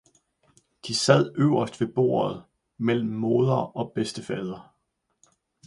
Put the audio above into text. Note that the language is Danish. de sade øverst ved Bordet mellem Moder og Bedstefader.